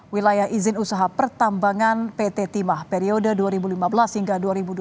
wilayah izin usaha pertambangan pt timah periode dua ribu lima belas hingga dua ribu dua puluh